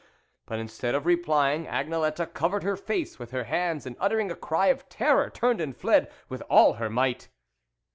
But instead of replying, Agnelette covered her face with her hands, and uttering a cry of terror, turned and fled with all her might.